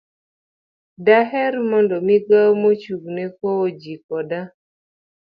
Daher mondo Migawo Mochung'ne Kowo Ji Koda